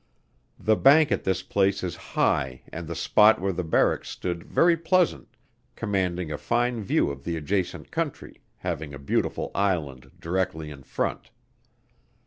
The bank at this place is high and the spot where the Barracks stood very pleasant, commanding a fine view of the adjacent country, having a beautiful Island directly in front.